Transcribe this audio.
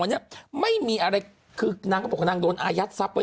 วันนี้ไม่มีอะไรคือนางก็บอกว่านางโดนอายัดทรัพย์ไว้